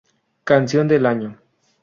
Canción del Año